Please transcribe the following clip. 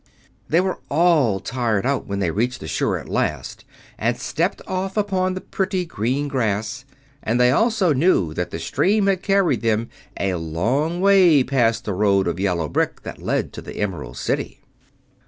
They were all tired out when they reached the shore at last and stepped off upon the pretty green grass, and they also knew that the stream had carried them a long way past the road of yellow brick that led to the Emerald City.